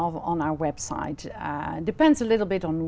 câu hỏi tiếp theo xin